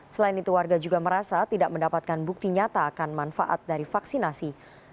selain itu warga juga merasa tidak mendapatkan bukti nyata akan manfaat dari vaksinasi